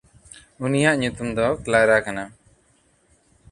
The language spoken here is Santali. ᱩᱱᱤᱭᱟᱜ ᱧᱩᱛᱩᱢ ᱫᱚ ᱠᱞᱟᱨᱟ ᱠᱟᱱᱟ᱾